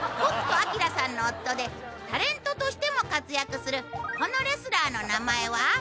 北斗晶さんの夫でタレントとしても活躍するこのレスラーの名前は？